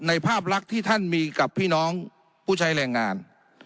ภาพลักษณ์ที่ท่านมีกับพี่น้องผู้ใช้แรงงาน